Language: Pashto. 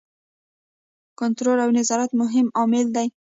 کنټرول او نظارت مهم عامل دی.